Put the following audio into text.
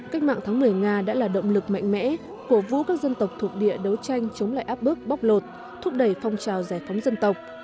cách mạng tháng một mươi nga đã là động lực mạnh mẽ cổ vũ các dân tộc thuộc địa đấu tranh chống lại áp bức bóc lột thúc đẩy phong trào giải phóng dân tộc